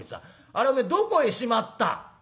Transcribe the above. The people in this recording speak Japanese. あれお前どこへしまった？」。